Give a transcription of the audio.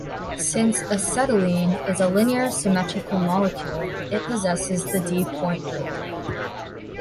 Since acetylene is a linear symmetrical molecule, it possesses the D point group.